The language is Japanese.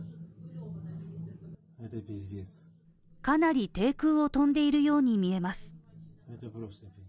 かなり低空を飛んでいるように見えます。